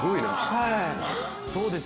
はい。